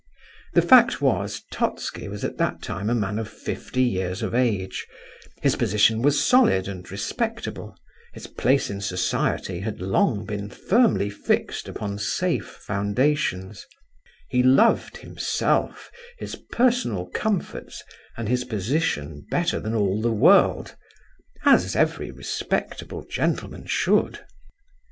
The fact was, Totski was at that time a man of fifty years of age; his position was solid and respectable; his place in society had long been firmly fixed upon safe foundations; he loved himself, his personal comforts, and his position better than all the world, as every respectable gentleman should!